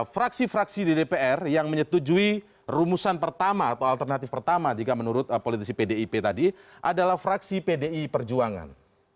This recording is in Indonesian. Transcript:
fraksi fraksi di dpr yang menyetujui rumusan pertama atau alternatif pertama jika menurut politisi pdip tadi adalah fraksi pdi perjuangan